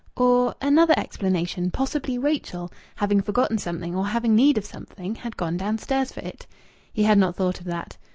Or another explanation possibly Rachel, having forgotten something or having need of something, had gone downstairs for it. He had not thought of that.